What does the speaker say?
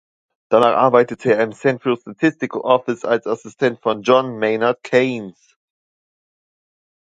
Danach arbeitete er im Central Statistical Office als Assistent von John Maynard Keynes.